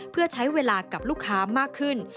เพื่อใช้เวลากับลูกค้ามากขึ้น